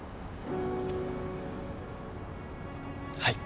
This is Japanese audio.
はい。